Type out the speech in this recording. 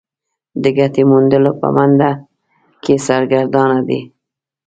د ګټې موندلو په منډه کې سرګردانه دي.